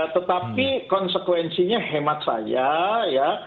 tetapi konsekuensinya hemat saya ya